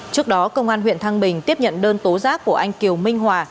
trước đó công an huyện thăng bình tiếp nhận đơn tố giác của anh kiều minh hòa